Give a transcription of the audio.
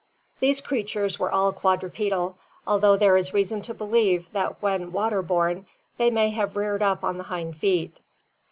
These creatures were all quadrupedal, although there is reason to believe that when water borne they may have reared up on the hind feet.